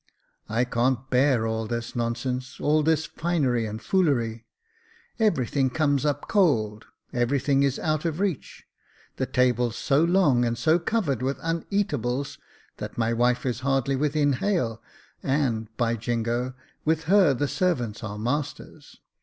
" I can't bear all this nonsense, all this finery and foolery. Every thing comes . up cold, every thing is out of reach. The table's so long, and so covered with uneatables that my wife is hardly within hail ; and, by jingo, with her the servants are masters.